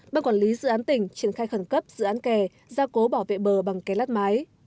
ban quản lý dự án tỉnh triển khai khẩn cấp dự án kè gia cố bảo vệ bờ bằng ké lát mái